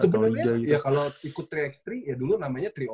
sebenernya ya kalau ikut tiga x tiga ya dulu namanya tiga on tiga sih